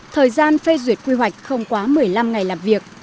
thời gian phê duyệt quy hoạch không quá một mươi năm ngày làm việc